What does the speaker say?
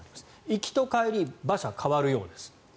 行きと帰り馬車が変わるようです。